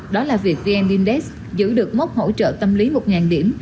đó là việc vn index giữ được mốc hỗ trợ tâm lý một điểm